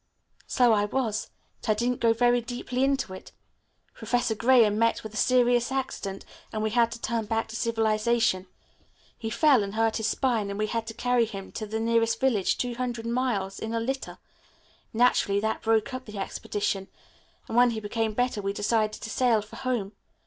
"So I was, but I didn't go very deeply into it. Professor Graham met with a serious accident and we had to turn back to civilization. He fell and hurt his spine and we had to carry him to the nearest village, two hundred miles, in a litter. Naturally that broke up the expedition, and when he became better we decided to sail for home.